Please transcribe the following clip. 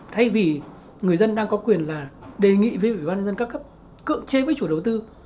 thay vì người dân đang có quyền là đề nghị với ủy ban tp hcm cưỡng chế với chủ đầu tư